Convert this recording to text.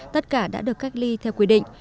tất cả đã được cách ly theo quy định